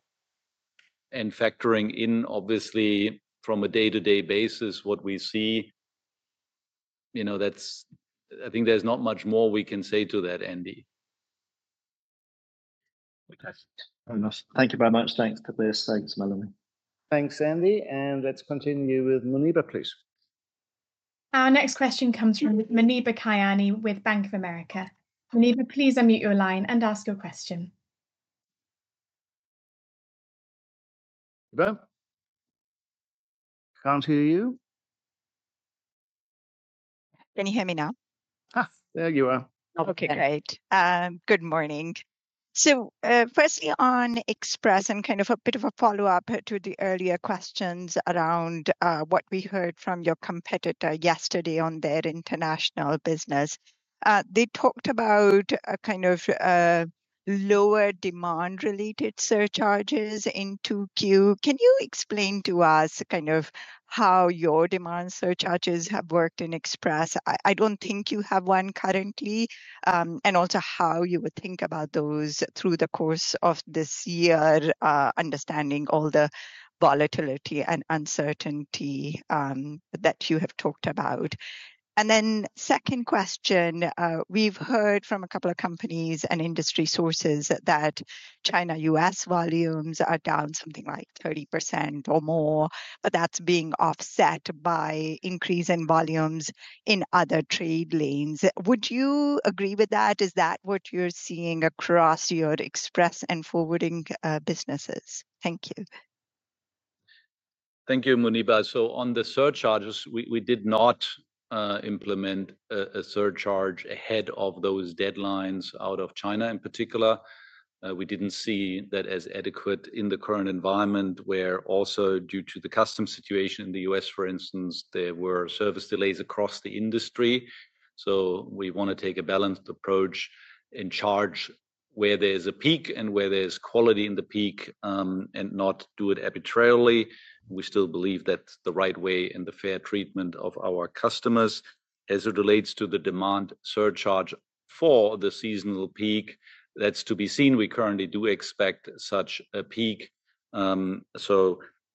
Factoring in, obviously, from a day-to-day basis, what we see, I think there is not much more we can say to that, Andy. Thank you very much. Thanks, Tobias. Thanks, Melanie. Thanks, Andy. Let us continue with Muneeba, please. Our next question comes from Muneeba Kayani with Bank of America. Muneeba, please unmute your line and ask your question. Can't hear you. Can you hear me now? There you are. Okay, great. Good morning. Firstly, on Express, and kind of a bit of a follow-up to the earlier questions around what we heard from your competitor yesterday on their international business, they talked about kind of lower demand-related surcharges in Q2. Can you explain to us kind of how your demand surcharges have worked in Express? I don't think you have one currently, and also how you would think about those through the course of this year, understanding all the volatility and uncertainty that you have talked about. Second question, we've heard from a couple of companies and industry sources that China-U.S. volumes are down something like 30% or more, but that's being offset by increase in volumes in other trade lanes. Would you agree with that? Is that what you're seeing across your Express and forwarding businesses? Thank you. Thank you, Muneeba. On the surcharges, we did not implement a surcharge ahead of those deadlines out of China in particular. We did not see that as adequate in the current environment, where also due to the customs situation in the U.S., for instance, there were service delays across the industry. We want to take a balanced approach and charge where there's a peak and where there's quality in the peak and not do it arbitrarily. We still believe that's the right way and the fair treatment of our customers. As it relates to the demand surcharge for the seasonal peak, that's to be seen. We currently do expect such a peak.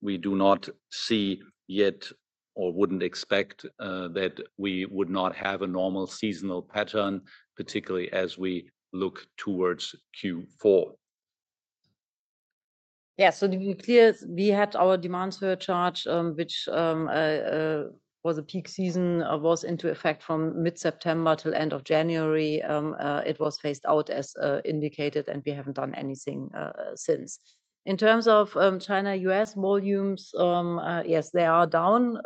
We do not see yet or would not expect that we would not have a normal seasonal pattern, particularly as we look towards Q4. Yeah, to be clear, we had our demand surcharge, which was a peak season, was into effect from mid-September till end of January. It was phased out as indicated, and we have not done anything since. In terms of China-U.S. volumes, yes, they are down.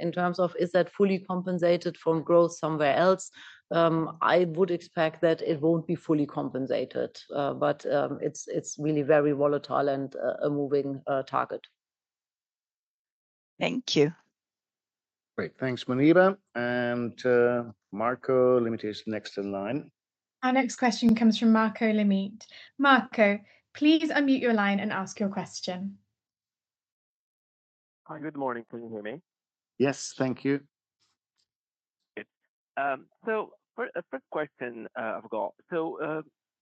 In terms of is that fully compensated from growth somewhere else, I would expect that it will not be fully compensated, but it is really very volatile and a moving target. Thank you. Great. Thanks, Muneeba. Marco Limite is next in line. Our next question comes from Marco Limite. Marco, please unmute your line and ask your question. Hi, good morning. Can you hear me? Yes, thank you. A quick question I have. You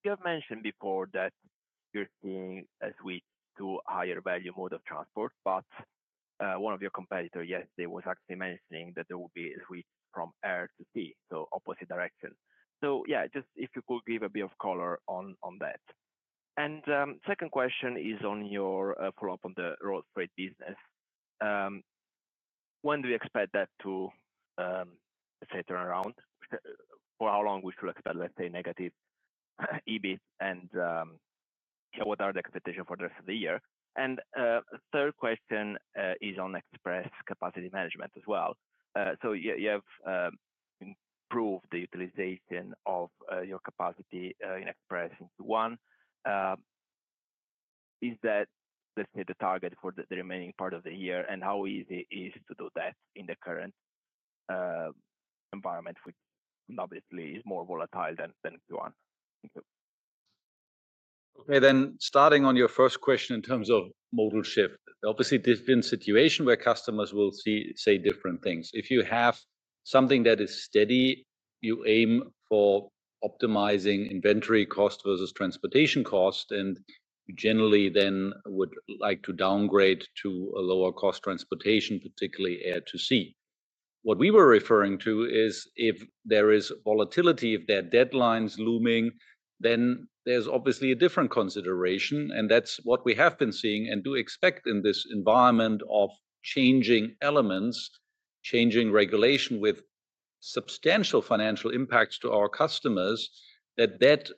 have mentioned before that you're seeing a switch to a higher value mode of transport, but one of your competitors yesterday was actually mentioning that there will be a switch from air to sea, so opposite direction. Just if you could give a bit of color on that. The second question is on your follow-up on the road freight business. When do we expect that to turn around? For how long should we expect, let's say, negative EBIT, and what are the expectations for the rest of the year? The third question is on Express capacity management as well. You have improved the utilization of your capacity in Express in Q1 is that, let's say, the target for the remaining part of the year, and how easy is it to do that in the current environment, which obviously is more volatile than Q1? Okay, then starting on your first question in terms of modal shift, obviously, there's been a situation where customers will say different things. If you have something that is steady, you aim for optimizing inventory cost versus transportation cost, and you generally then would like to downgrade to a lower-cost transportation, particularly air to sea. What we were referring to is if there is volatility, if there are deadlines looming, then there's obviously a different consideration. That is what we have been seeing and do expect in this environment of changing elements, changing regulation with substantial financial impacts to our customers, that that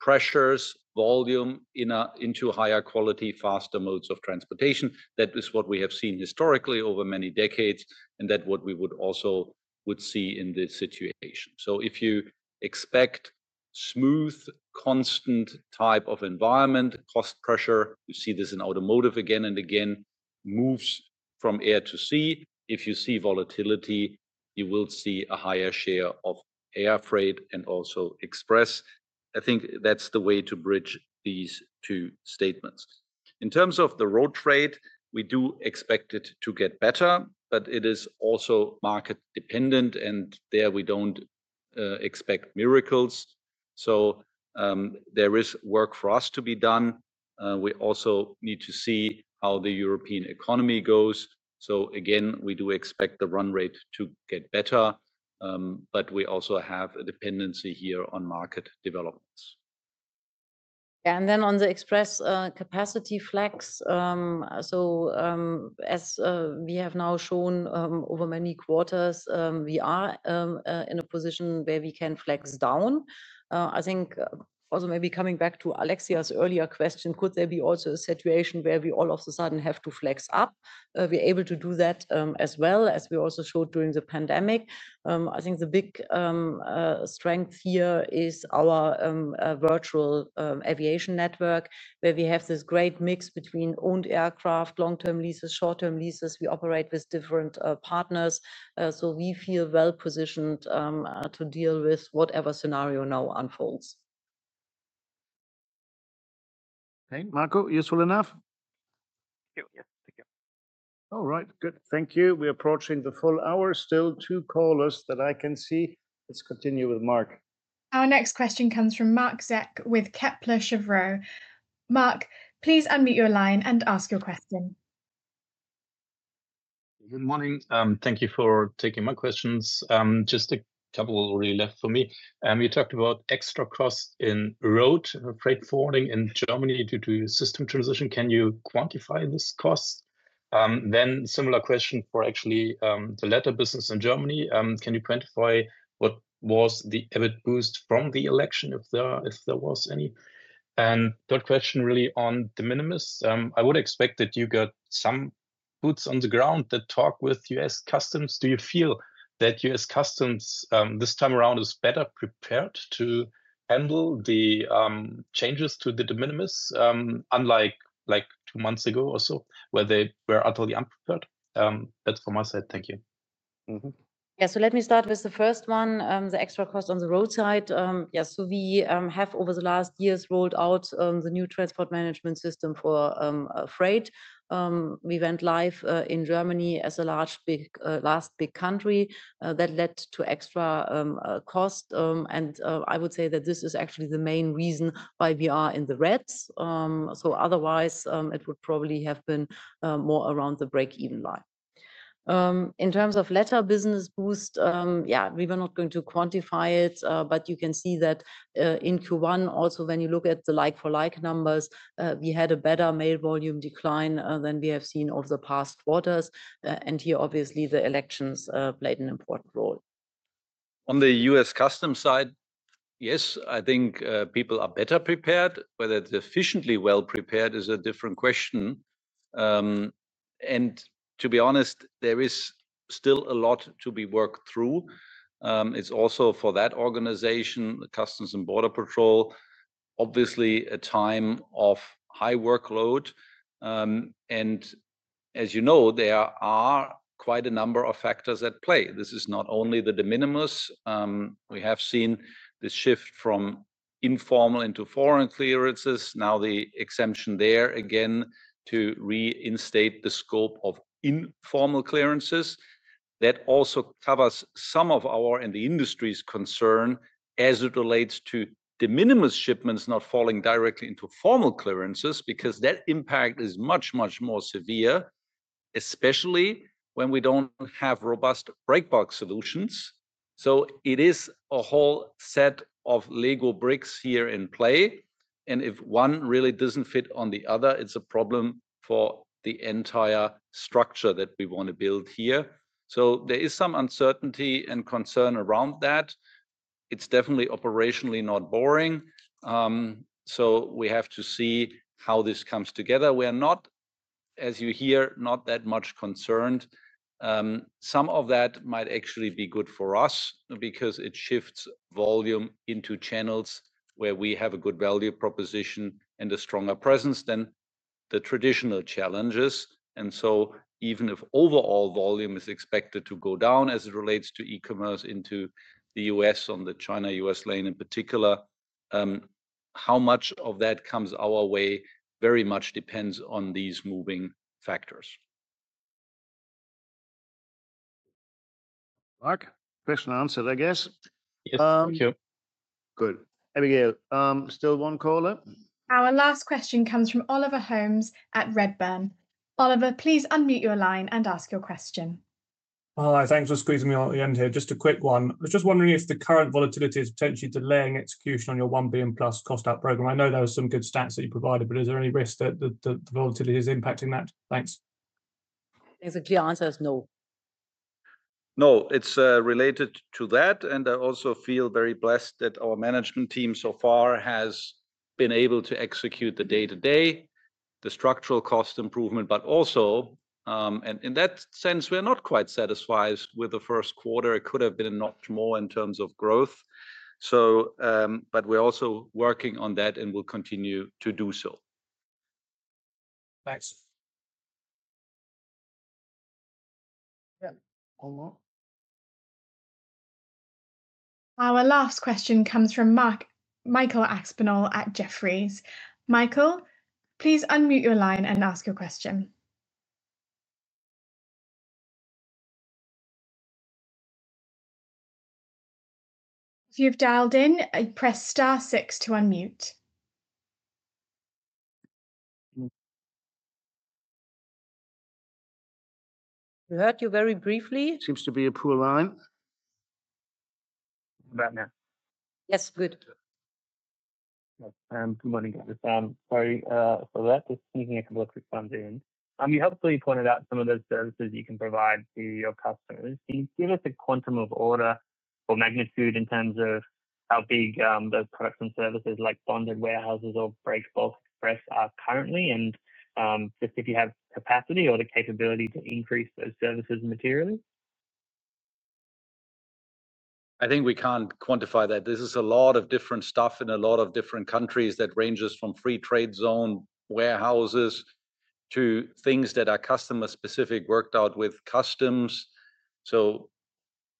pressures volume into higher quality, faster modes of transportation. That is what we have seen historically over many decades, and that's what we would also see in this situation. If you expect a smooth, constant type of environment, cost pressure, you see this in automotive again and again, moves from air to sea. If you see volatility, you will see a higher share of air freight and also Express. I think that's the way to bridge these two statements. In terms of the road freight, we do expect it to get better, but it is also market-dependent, and there we don't expect miracles. There is work for us to be done. We also need to see how the European economy goes. Again, we do expect the run rate to get better, but we also have a dependency here on market developments. Yeah, and then on the Express capacity flex, as we have now shown over many quarters, we are in a position where we can flex down. I think also maybe coming back to Alexia's earlier question, could there be also a situation where we all of a sudden have to flex up? We're able to do that as well, as we also showed during the pandemic. I think the big strength here is our virtual aviation network, where we have this great mix between owned aircraft, long-term leases, short-term leases. We operate with different partners, so we feel well-positioned to deal with whatever scenario now unfolds. Okay, Marco, useful enough? Yes, thank you. All right, good. Thank you. We're approaching the full hour. Still two callers that I can see. Let's continue with Marc. Our next question comes from Marc Zeck with Kepler Cheuvreux. Marc, please unmute your line and ask your question. Good morning. Thank you for taking my questions. Just a couple already left for me. You talked about extra cost in road freight forwarding in Germany due to system transition. Can you quantify this cost? Similar question for actually the Letter business in Germany. Can you quantify what was the EBIT boost from the election, if there was any? Third question, really on the de minimis. I would expect that you got some boots on the ground that talk with U.S. customs. Do you feel that U.S. customs this time around is better prepared to handle the changes to the de minimis, unlike two months ago or so, where they were utterly unprepared? That's from my side. Thank you. Yeah, let me start with the first one, the extra cost on the Road side. We have, over the last years, rolled out the new transport management system for freight. We went live in Germany as a last big country. That led to extra cost, and I would say that this is actually the main reason why we are in the red. Otherwise, it would probably have been more around the break-even line. In terms of Letter business boost, yeah, we were not going to quantify it, but you can see that in Q1, also when you look at the like-for-like numbers, we had a better mail volume decline than we have seen over the past quarters. Here, obviously, the elections played an important role. On the U.S. customs side, yes, I think people are better prepared. Whether it is efficiently well-prepared is a different question. To be honest, there is still a lot to be worked through. It is also for that organization, the Customs and Border Patrol, obviously a time of high workload. As you know, there are quite a number of factors at play. This is not only the de minimis. We have seen this shift from informal into formal clearances. Now the exemption there again to reinstate the scope of informal clearances. That also covers some of our and the industry's concern as it relates to de minimis shipments not falling directly into formal clearances because that impact is much, much more severe, especially when we do not have robust break bulk solutions. It is a whole set of legal bricks here in play. If one really does not fit on the other, it is a problem for the entire structure that we want to build here. There is some uncertainty and concern around that. It is definitely operationally not boring. We have to see how this comes together. We are not, as you hear, not that much concerned. Some of that might actually be good for us because it shifts volume into channels where we have a good value proposition and a stronger presence than the traditional challenges. Even if overall volume is expected to go down as it relates to e-commerce into the U.S. on the China-U.S. lane in particular, how much of that comes our way very much depends on these moving factors. Mark, question answered, I guess. Yes, thank you. Good. Abigail, still one caller? Our last question comes from Oliver Holmes at Redburn. Oliver, please unmute your line and ask your question. Hi, thanks for squeezing me on the end here. Just a quick one. I was just wondering if the current volatility is potentially delaying execution on your $1 billion plus cost out program. I know there were some good stats that you provided, but is there any risk that the volatility is impacting that? Thanks. Basically, the answer is no. No, it's related to that. I also feel very blessed that our management team so far has been able to execute the day-to-day, the structural cost improvement, but also, in that sense, we're not quite satisfied with the Q1. It could have been much more in terms of growth. We're also working on that and will continue to do so. Thanks. Yeah, one more. Our last question comes from Michael Aspinall at Jefferies. Michael, please unmute your line and ask your question. If you've dialed in, press star six to unmute. We heard you very briefly. Seems to be a poor line. Yes, good. Good morning. Sorry for that. Just making a couple of quick rounds in. You helpfully pointed out some of those services you can provide to your customers. Can you give us a quantum of order or magnitude in terms of how big those products and services like bonded warehouses or break bulk Express are currently? Just if you have capacity or the capability to increase those services and materials? I think we can't quantify that. This is a lot of different stuff in a lot of different countries that ranges from free trade zone warehouses to things that are customer-specific worked out with customs.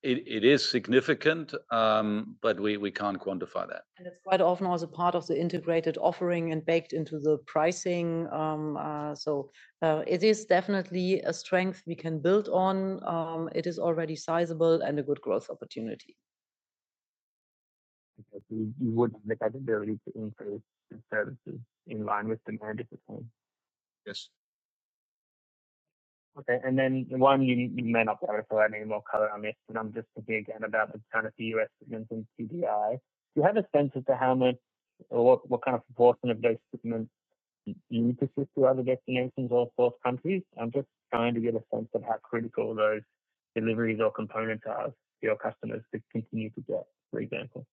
It is significant, but we can't quantify that. It is quite often also part of the integrated offering and baked into the pricing. It is definitely a strength we can build on. It is already sizable and a good growth opportunity. You wouldn't look at it to increase the services in line with demand at the time? Yes. Okay. One, you may not be able to find any more color on this, but I'm just thinking again about the U.S. segments and TDI. Do you have a sense as to how much or what kind of proportion of those segments you need to ship to other destinations or source countries? I'm just trying to get a sense of how critical those deliveries or components are for your customers to continue to get, for example.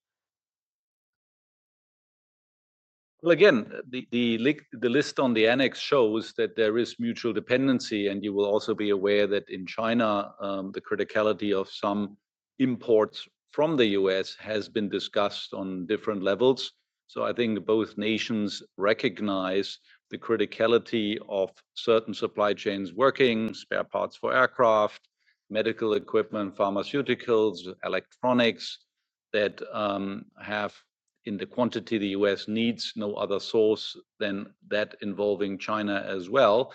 The list on the annex shows that there is mutual dependency, and you will also be aware that in China, the criticality of some imports from the U.S. has been discussed on different levels. I think both nations recognize the criticality of certain supply chains working, spare parts for aircraft, medical equipment, pharmaceuticals, electronics that have in the quantity the U.S. needs no other source than that involving China as well.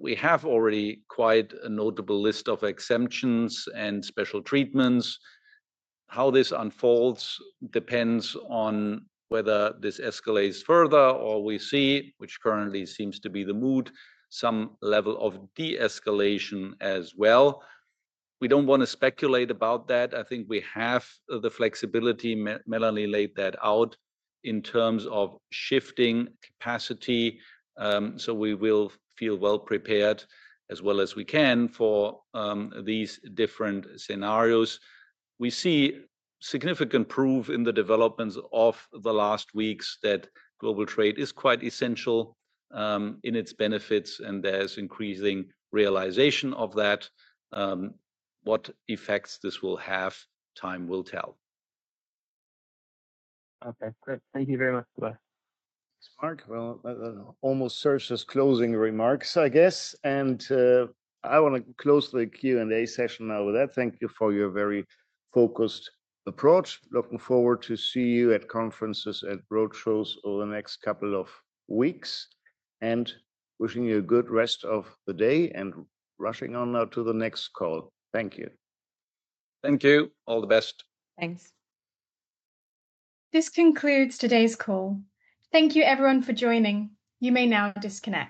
We have already quite a notable list of exemptions and special treatments. How this unfolds depends on whether this escalates further or we see, which currently seems to be the mood, some level of de-escalation as well. We do not want to speculate about that. I think we have the flexibility Melanie laid that out in terms of shifting capacity. We will feel well prepared as well as we can for these different scenarios. We see significant proof in the developments of the last weeks that global trade is quite essential in its benefits, and there is increasing realization of that. What effects this will have, time will tell. Okay, great. Thank you very much. Thanks, Mark. That almost serves as closing remarks, I guess. I want to close the Q&A session now with that. Thank you for your very focused approach. Looking forward to seeing you at conferences, at roadshows over the next couple of weeks. Wishing you a good rest of the day and rushing on now to the next call. Thank you. Thank you. All the best. Thanks. This concludes today's call. Thank you, everyone, for joining. You may now disconnect.